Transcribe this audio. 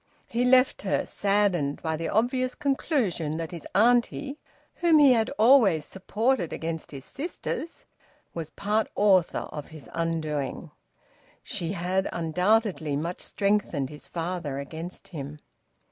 He left her, saddened by the obvious conclusion that his auntie, whom he had always supported against his sisters, was part author of his undoing. She had undoubtedly much strengthened his father against him.